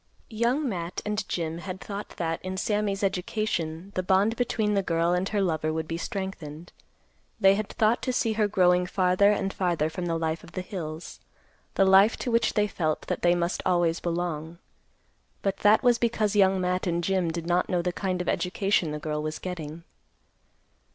Young Matt and Jim had thought that, in Sammy's education, the bond between the girl and her lover would be strengthened. They had thought to see her growing farther and farther from the life of the hills; the life to which they felt that they must always belong. But that was because Young Matt and Jim did not know the kind of education the girl was getting.